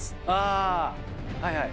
あはいはい。